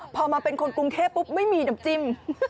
พอมาเป็นคนกรุงเทพปุ๊บไม่มีน้ำจิ้ม